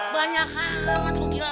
banyak banget gua gila